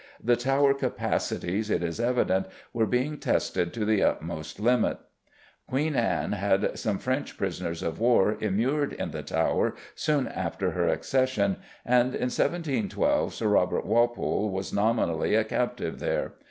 The Tower capacities, it is evident, were being tested to the utmost limit. Queen Anne had some French prisoners of war immured in the Tower soon after her accession, and, in 1712, Sir Robert Walpole was nominally a captive there.